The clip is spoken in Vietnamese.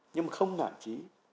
nhưng mà không ngả trí